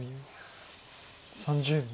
３０秒。